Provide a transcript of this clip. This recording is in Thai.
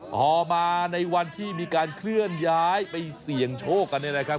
พอมาในวันที่มีการเคลื่อนย้ายไปเสี่ยงโชคกันเนี่ยนะครับ